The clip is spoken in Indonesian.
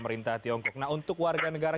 merintah tiongkok nah untuk warga negara